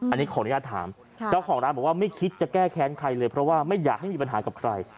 อันนี้ขออนุญาตถามเจ้าของร้านบอกว่าไม่คิดจะแก้แค้นใครเลยเพราะว่าไม่อยากให้มีปัญหากับใคร